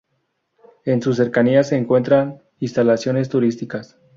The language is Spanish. En sus cercanías se encuentran instalaciones turísticas.